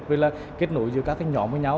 với là kết nối giữa các nhóm với nhau